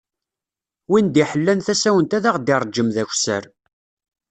Win d-iḥellan tasawent ad ɣ-d-ireǧǧem d akessar.